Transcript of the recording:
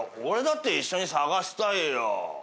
俺だって一緒に捜したいよ。